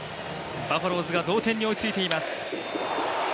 バファローズが同点に追いついています。